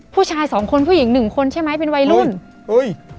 ผู้ชายสองคนผู้หญิงหนึ่งคนใช่ไหมเป็นวัยรุ่นเฮ้ย